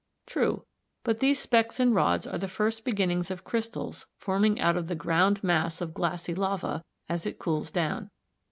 True, but these specks and rods are the first beginnings of crystals forming out of the ground mass of glassy lava as it cools down.